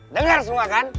dengar semua kan